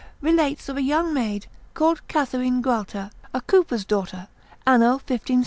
relates of a young maid, called Katherine Gualter, a cooper's daughter, _an.